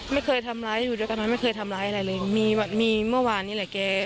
ไม่เคยทำร้ายอยู่ด้วยกันไหมไม่เคยทำร้ายอะไรเลยมีมีเมื่อวานนี้แหละแก